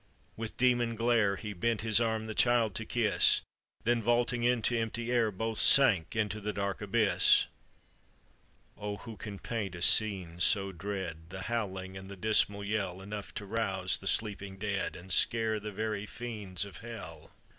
With demon g^ire, He bent his arm the child to kiss, Then vaulting into empty air, Both sank into the dark abyss ! Oh ! who can paint a scene so dread, The howling and the dismal yell Enough to rouse the sleeping dead And scare the very fiends of hell?